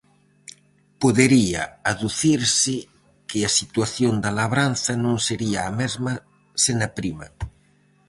Podería aducirse que a situación da labranza non sería a mesma sen a prima.